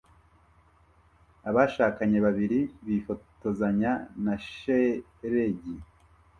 Abashakanye babiri bifotozanya na shelegi